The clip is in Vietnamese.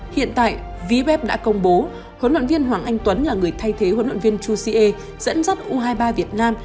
hiện tại vbep đã công bố huấn luyện viên hoàng anh tuấn là người thay thế huấn luyện viên chu siê dẫn dắt u hai mươi ba việt nam